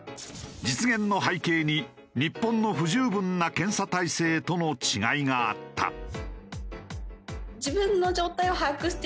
実現の背景に日本の不十分な検査体制との違いがあった。